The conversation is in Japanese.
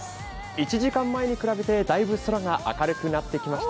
１時間前に比べてだいぶ空が明るくなってきました。